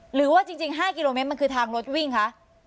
หรือว่าจริง๕กิโลเมตรมันคือทางรถวิ่งคะ